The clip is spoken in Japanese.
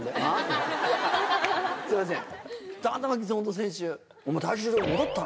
本当すいません。